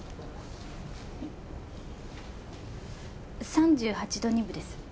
３８度２分です。